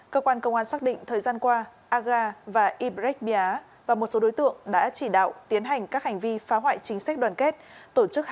cơ quan công an xác định thời gian qua aga và ibrek bia và một số đối tượng đã chỉ đạo tiến hành các hành vi phá hoại chính sách đoàn kết